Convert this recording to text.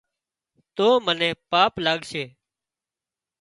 تو منين پاپ لاڳشي